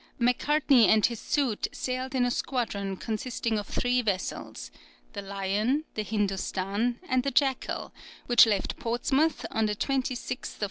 Macartney and his suite sailed in a squadron consisting of three vessels, the Lion, the Hindustan, and the Jackal, which left Portsmouth on the 26th September, 1792.